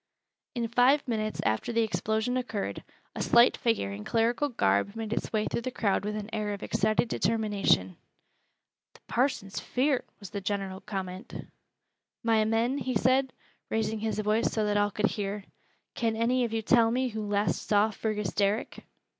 In five minutes after the explosion occurred, a slight figure in clerical garb made its way through the crowd with an air of excited determination. "Th' parson's feart," was the general comment. "My men," he said, raising his voice so that all could hear, "can any of you tell me who last saw Fergus Derrick?"